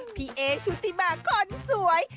พี่เอชุติมาคนสวย